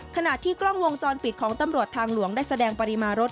ขณะที่กล้องวงจรปิดของตำรวจทางหลวงได้แสดงปริมาณรถ